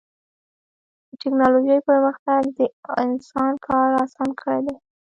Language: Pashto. د ټکنالوجۍ پرمختګ د انسان کار اسان کړی دی.